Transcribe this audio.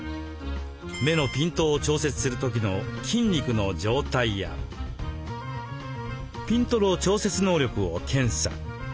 目のピントを調節する時の筋肉の状態やピントの調節能力を検査。